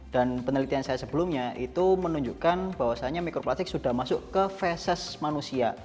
dan penelitian saya sebelumnya itu menunjukkan bahwasannya mikroplastik sudah masuk ke fesis manusia